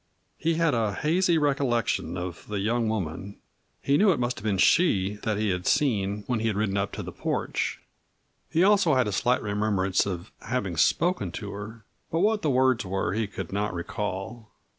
He had a hazy recollection of the young woman; he knew it must have been she that he had seen when he had ridden up to the porch. He also had a slight remembrance of having spoken to her, but what the words were he could not recall.